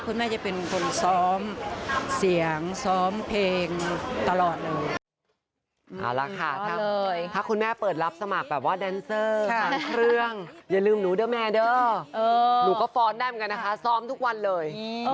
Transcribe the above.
คุณแม่จะเป็นคนซ้อมเสียงซ้อมเพลงตลอดเลย